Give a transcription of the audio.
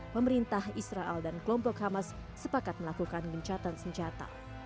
pemerintah israel dan kelompok hamas sepakat melakukan gencatan senjata